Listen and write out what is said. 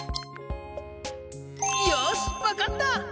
よしわかった！